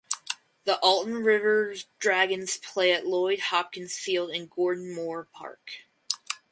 The Alton River Dragons play at Lloyd Hopkins Field in Gordon Moore Park.